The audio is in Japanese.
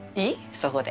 そこで。